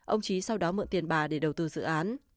ông trí sau đó mượn tiền bà để đầu tư dự án